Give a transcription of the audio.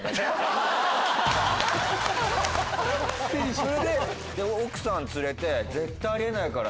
それで奥さん連れて絶対あり得ないから！